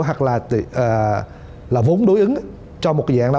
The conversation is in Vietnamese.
hoặc là vốn đối ứng cho một dạng đó